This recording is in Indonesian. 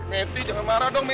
meti jangan marah dong